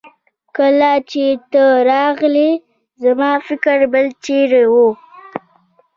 کله چې ته راغلې زما فکر بل چيرې وه.